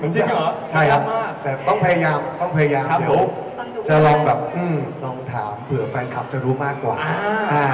จริงเหรอใช่แต่ต้องพยายามเดี๋ยวจะลองแบบอืมต้องถามเผื่อแฟนคลับจะรู้มากกว่า